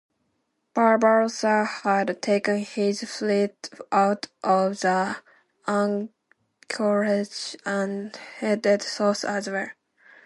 Barbarossa had taken his fleet out of the anchorage and headed south as well.